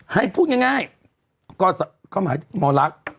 ให้พูดง่ายก็หมายถึงโมเลิฟ